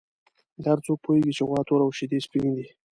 هر څوک پوهېږي چې غوا توره او شیدې یې سپینې دي.